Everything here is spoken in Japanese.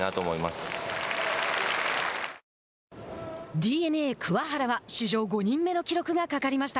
ＤｅＮＡ桑原は史上５人目の記録が懸かりました。